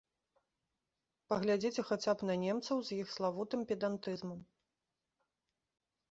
Паглядзіце хаця б на немцаў з іх славутым педантызмам.